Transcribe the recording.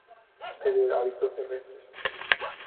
Es de hábitos terrestres.